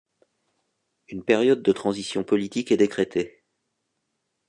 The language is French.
Une période de transition politique est décrétée.